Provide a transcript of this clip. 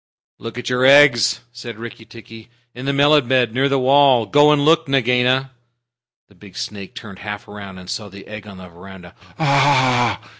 "Look at your eggs," said Rikki tikki, "in the melon bed near the wall. Go and look, Nagaina!" The big snake turned half around, and saw the egg on the veranda. "Ah h!